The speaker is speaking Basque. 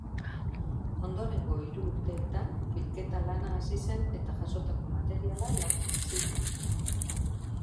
Ondorengo hiru urteetan bilketa lana hasi zen eta jasotako materiala lantzen hasi ginen.